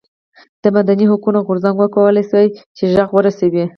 د مدني حقونو غورځنګ وکولای شول چې غږ ورسوي.